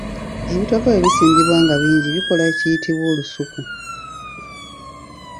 Ebitooke bwe bisimbibwa nga bingi, bikola ekiyitibwa olusuku